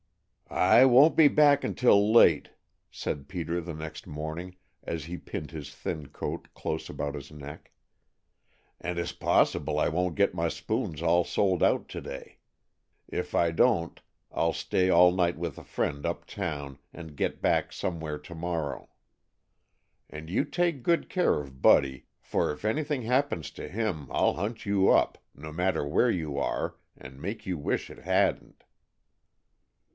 "I won't be back until late," said Peter the next morning as he pinned his thin coat close about his neck, "and it's possible I won't get my spoons all sold out to day. If I don't I'll stay all night with a friend up town and get back somewhere to morrow. And you take good care of Buddy, for if anything happens to him I'll hunt you up, no matter where you are, and make you wish it hadn't."